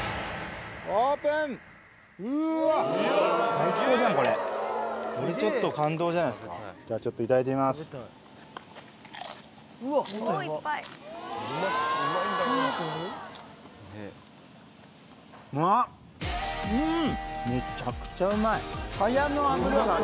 うわっじゃあちょっといただいてみますあっうん！